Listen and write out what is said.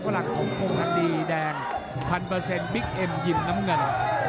ก็หลังของโคมธรรมดีแดง๑๐๐๐บิ๊กเอ็มยินน้ำเงิน